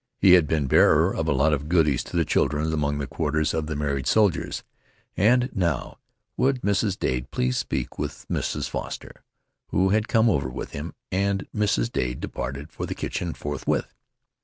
He had been bearer of a lot of goodies to the children among the quarters of the married soldiers, and now, would Mrs. Dade please speak with Mrs. Foster, who had come over with him, and Mrs. Dade departed for the kitchen forthwith.